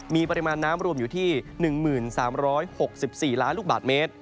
มีปริมาณน้ำรวมอยู่ที่๑๓๖๔ล้านลูกบาทเมตร